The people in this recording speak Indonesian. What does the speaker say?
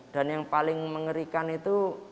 dan yang paling mengerikan itu granat